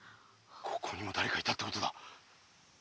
ここにもだれかいたってことだ。